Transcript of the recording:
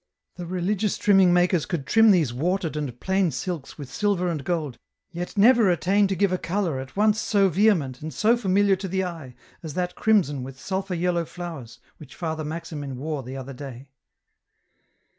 The religious trimming 262 EN ROUTE. makers could trim these watered and plain silks with silver and gold, yet never attain to give a colour at once so vehement and so familiar to the eye as that crimson with sulphur yellow flowers, which Father Maximin wore the other day."